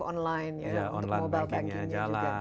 online untuk mobile bank ini juga jalan